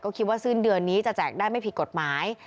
ก็คิดว่าสิ้นเดือนนี้จะแจกได้ไม่ผิดกฎหมาย